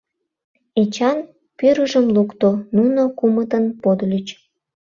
Эчан пӱрыжым лукто, нуно кумытын подыльыч.